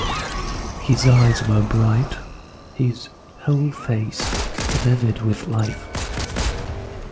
His eyes were bright, his whole face vivid with life.